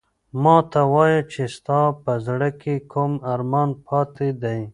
ما ته وایه چې ستا په زړه کې کوم ارمان پاتې دی؟